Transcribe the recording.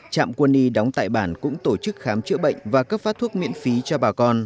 trạm quân y đóng tại bản cũng tổ chức khám chữa bệnh và cấp phát thuốc miễn phí cho bà con